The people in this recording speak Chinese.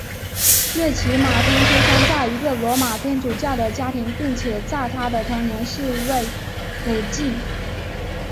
瑞奇马汀出生在一个罗马天主教的家庭并且在他的童年是位辅祭。